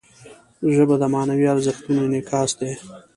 ژبه د معنوي ارزښتونو انعکاس دی